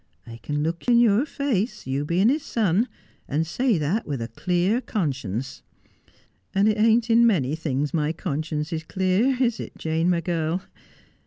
I can look in your face, you being his son, and say that with a clear conscience ; and it ain't in many things my conscience is clear, is it, Jane, my girl